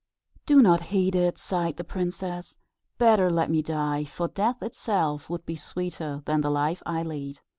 "Do not heed it," sighed the princess; "better let me die, for death itself would be sweeter than the life I lead.